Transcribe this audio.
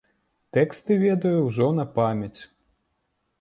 Тэксты ведаю ўжо на памяць.